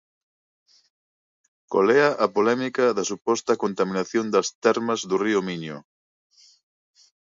Colea a polémica da suposta contaminación das termas do río Miño.